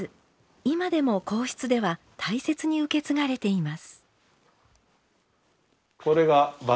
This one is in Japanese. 今でも皇室では大切に受け継がれています。